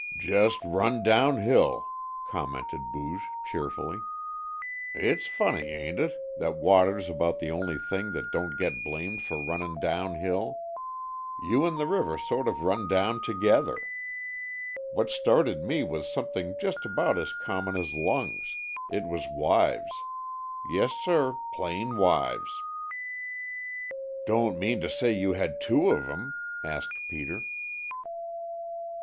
"Just run down hill," commented Booge cheerfully. "It's funny, ain't it, that water's about the only thing that don't get blamed for runnin' down hill? You and the river sort of run down together. What started me was something just about as common as lungs it was wives. Yes sir, just plain wives!" "Don't mean to say you had two of 'em?" asked Peter.